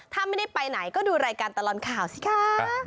ถ้าไม่ได้ไปไหนก็ดูรายการตลอดข่าวสิคะ